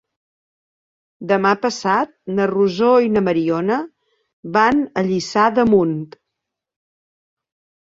Demà passat na Rosó i na Mariona van a Lliçà d'Amunt.